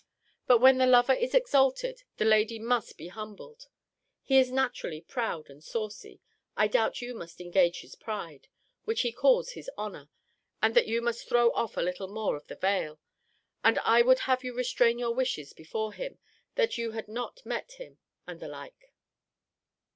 But when the lover is exalted, the lady must be humbled. He is naturally proud and saucy. I doubt you must engage his pride, which he calls his honour: and that you must throw off a little more of the veil. And I would have you restrain your wishes before him, that you had not met him, and the like.